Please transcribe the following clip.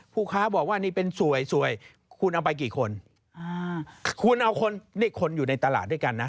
ค้าบอกว่านี่เป็นสวยสวยคุณเอาไปกี่คนอ่าคุณเอาคนนี่คนอยู่ในตลาดด้วยกันนะ